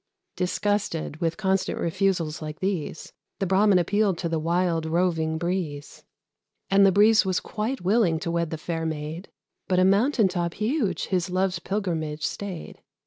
Disgusted with constant refusals like these, The Brahmin appealed to the wild, roving Breeze; And the Breeze was quite willing to wed the fair Maid, But a Mountain Top huge his love's pilgrimage stayed.